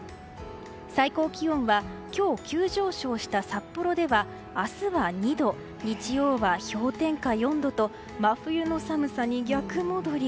最高気温は今日急上昇した札幌では明日は２度、日曜は氷点下４度と真冬の寒さに逆戻り。